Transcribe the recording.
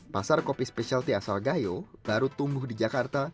pasar kopi spesialty asal gayo baru tumbuh di jakarta